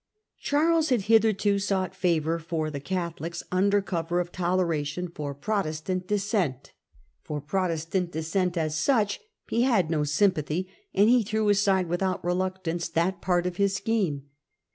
Charles had hitherto sought favour for the Catholics under cover of toleration for Protestant Dissent. For Protestant Dissent, as such, he had no sympathy, and he threw aside without reluctance that part of his scheme.